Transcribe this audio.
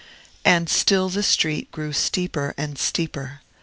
And still the street grew steeper and steeper.